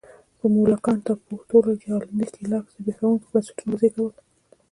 په مولوکان ټاپو ټولګه کې هالنډي ښکېلاک زبېښونکي بنسټونه وزېږول.